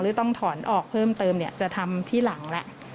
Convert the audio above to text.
ต้องถอนออกเพิ่มเติมจะทำที่หลังแหละ